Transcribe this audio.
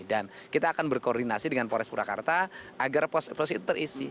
dan kita akan berkoordinasi dengan polres purakarta agar pos itu terisi